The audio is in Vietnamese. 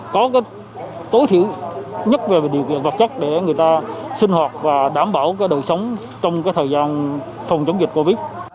có tối thiểu nhất về điều kiện vật chất để người ta sinh hoạt và đảm bảo đời sống trong thời gian phòng chống dịch covid